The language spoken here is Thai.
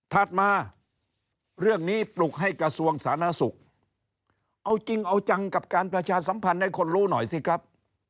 ถัดมาเรื่องนี้ปลุกให้กระทรวงสาธารณสุขเอาจริงเอาจังกับการประชาสัมพันธ์ให้คนรู้หน่อยสิครับ